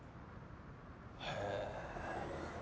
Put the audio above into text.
へえ。